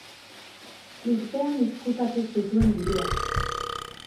Lurpean ezkutatu zituen diruak.